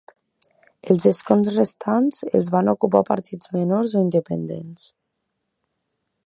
Els escons restants els van ocupar partits menors o independents.